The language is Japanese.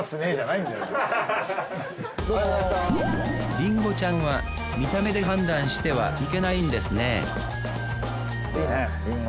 りんごちゃんは見た目で判断してはいけないんですねいいねりんご。